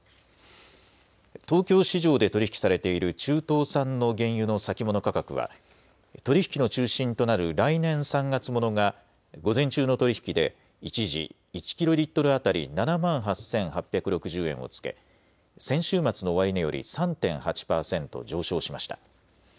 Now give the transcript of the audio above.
東京市場で取り引きされている中東産の原油の先物価格は取り引きの中心となる来年３月ものが午前中の取り引きで一時１キロリットル当たり７万８８６０円をつけ先週末の終値より３．８％上昇しました。